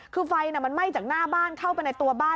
คือไฟมันไหม้จากหน้าบ้านเข้าไปในตัวบ้าน